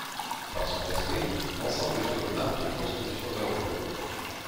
Par son aspect, l'ensemble se démarque des constructions alentour.